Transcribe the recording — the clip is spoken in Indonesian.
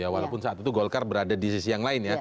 walaupun saat itu golkar berada di sisi yang lain ya